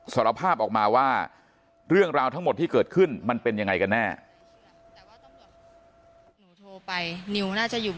สารภาพออกมาว่าเรื่องราวทั้งหมดที่เกิดขึ้นมันเป็นยังไงกันแน่